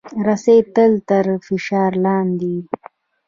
رسۍ تل تر فشار لاندې وي.